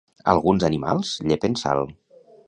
Alguns animals llepen sal